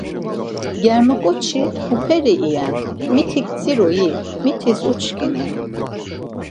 Germaǩoçi muperi iven, mitik dzirui, mitis uçkini?